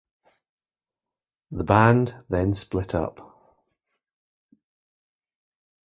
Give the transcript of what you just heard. The band then split up.